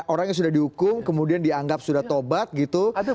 orang yang sudah dihukum kemudian dianggap sudah tobat gitu